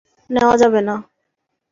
নেওয়া যাবে না।